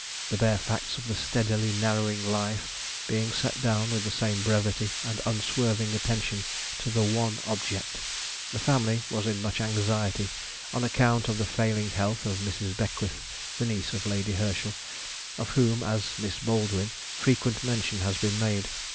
The bare facts of the steadily narrowing life being set down with the same brevity and unswerving attention to the one object. The family was in much anxiety on account of the failing health of Mrs. Beckwith, the niece of Lady Herschel, of whom, as Miss Baldwin, frequent mention has been made.